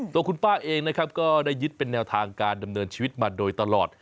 ตัวคุณป้าเองนะครับก็ได้ยึดเป็นแนวทางการดำเนินชีวิตมาโดยตลอด